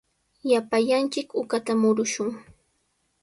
Llapallanchik uqata murumushun.